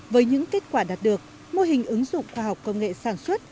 với những kết quả đạt được mô hình ứng dụng khoa học công nghệ sản xuất